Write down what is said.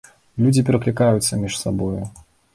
Людзі пераклікаюцца між сабою.